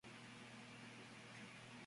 Es muy buena amiga de la actriz Kate Ritchie.